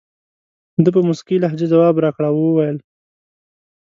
ده په موسکۍ لهجه ځواب راکړ او وویل.